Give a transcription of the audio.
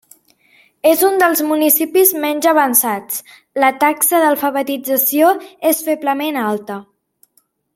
És un dels municipis menys avançats, la taxa d'alfabetització és feblement alta.